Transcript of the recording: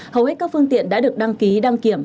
hầu hết các phương tiện đã được đăng ký đăng kiểm